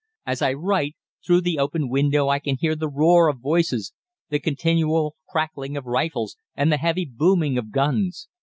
As I write, through the open window I can hear the roar of voices, the continual crackling of rifles, and the heavy booming of guns.